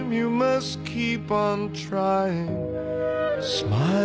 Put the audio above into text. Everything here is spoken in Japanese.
『スマイル』